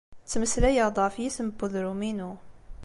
Ttmeslayeɣ-d ɣef yisem n udrum-inu.